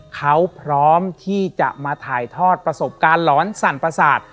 เขาพร้อมที่จะมาถ่ายทอดประสบการณ์หลอนสั่นประสาท